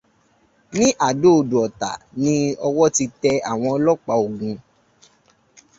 Ní Adó Odò Ọ̀tà ni ọwọ́ ti tẹ àwọn ọlọpàá ogun